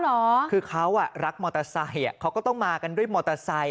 เหรอคือเขาอ่ะรักมอเตอร์ไซค์เขาก็ต้องมากันด้วยมอเตอร์ไซค